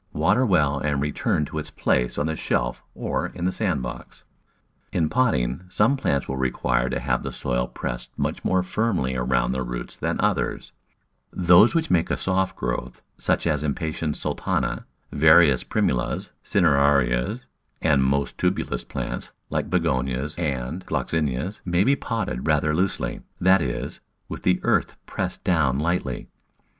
Water well and return to its place on the shelf or in the sand box. In potting some plants will require to have the soil pressed much more firmly around die roots than Digitized by Google 58 The Flower Garden [Chapter others. Those which make a soft growth, such as Impatiens sultana, various Primulas, Cinerarias, and most tuberous plants, like Begonias and Gloxinias, may be potted rather loosely, that is, with the earth pressed down lightly.